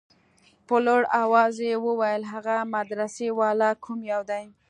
په لوړ اواز يې وويل هغه مدرسې والا کوم يو دى.